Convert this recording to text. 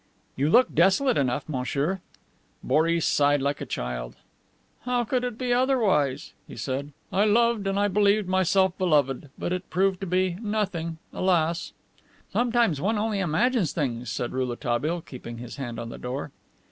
"You look desolate enough, monsieur." Boris sighed like a child. "How could it be otherwise?" he said. "I loved and believed myself beloved. But it proved to be nothing, alas!" "Sometimes one only imagines things," said Rouletabille, keeping his hand on the door.